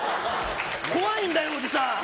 怖いんだよ、おじさん。